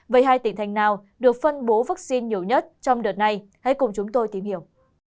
với hai tỉnh thành nào được phân bố vaccine nhiều nhất trong đợt này hãy cùng chúng tôi tìm hiểu